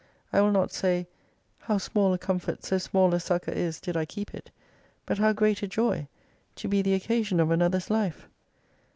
I will not say, How small a comfort so small a succour is did I keep it : but how great a joy, to be the occasion of another's life